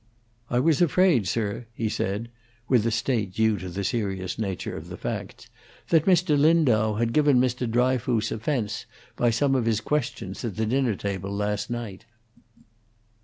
"I was afraid, sir," he said, with the state due to the serious nature of the facts, "that Mr. Lindau had given Mr. Dryfoos offence by some of his questions at the dinner table last night."